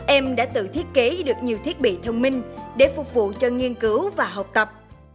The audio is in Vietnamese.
em đã tự thiết kế được nhiều thiết bị thông minh để phục vụ cho nghiên cứu và học tập